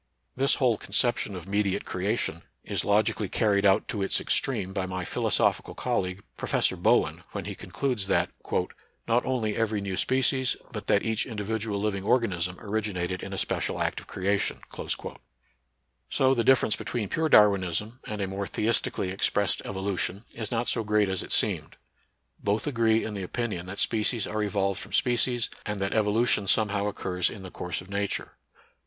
This whole conception of mediate creation is logically car ried out to its extreme by my philosophical col league. Professor Bowen, when he concludes that " not only every new species but that each individual living organism, originated in a special act of creation." * So the diflference between pure Darwinism * North American Review for November, 1879, p. 463. NATURAL SCIENCE AND RELIGION. 81 and a more theistically expressed evolution is not so great as it seemed. Both agree in the opinion that species are evolved from species, and that evolution somehow occurs in the course of Nature.